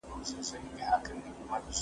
زه پرون لاس پرېولم وم